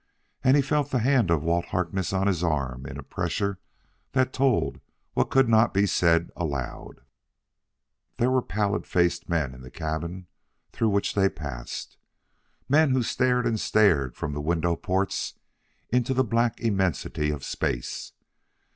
And he felt the hand of Walt Harkness on his arm in a pressure that told what could not be said aloud. There were pallid faced men in the cabin through which they passed; men who stared and stared from the window ports into the black immensity of space.